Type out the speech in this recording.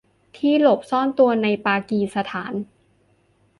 ที่หลบซ่อนตัวในปากีสถาน